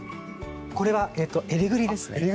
これはえりぐりですね。